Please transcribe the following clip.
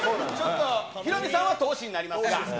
ヒロミさんは通しになりますが。